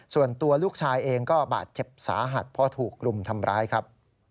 ส่วนตัวลูกชายเองก็บาดเจ็บสาหัสเพราะถูกรุมทำร้ายครับ